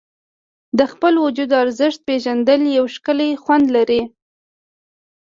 د خپل وجود ارزښت پېژندل یو ښکلی خوند لري.